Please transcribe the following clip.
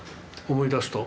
思い出すと。